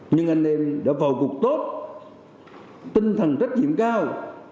nhưng anh em đã vào cuộc tốt tinh thần trách nhiệm cao